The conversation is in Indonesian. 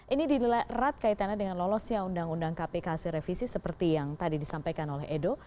ini didelai erat kaitannya dengan lolosnya undang undang kpk hasil revisi seperti yang tadi disampaikan oleh edo